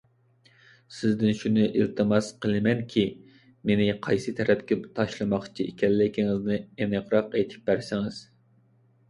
سىزدىن شۇنى ئىلتىماس قىلىمەنكى، مېنى قايسى تەرەپكە تاشلىماقچى ئىكەنلىكىڭىزنى ئېنىقراق ئېيتىپ بەرسىڭىز.